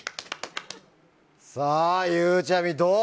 ゆうちゃみどう。